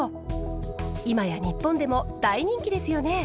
今や日本でも大人気ですよね。